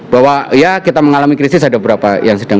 bahwa ya kita mengalami krisis ada beberapa